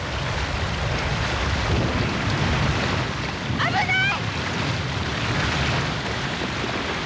危ない！